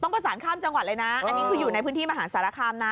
ประสานข้ามจังหวัดเลยนะอันนี้คืออยู่ในพื้นที่มหาสารคามนะ